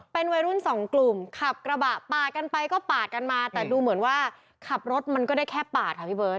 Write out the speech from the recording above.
เป็นวัยรุ่นสองกลุ่มขับกระบะปาดกันไปก็ปาดกันมาแต่ดูเหมือนว่าขับรถมันก็ได้แค่ปาดค่ะพี่เบิร์